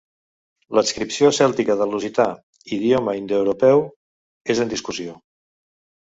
L'adscripció cèltica del lusità, idioma indoeuropeu, és en discussió.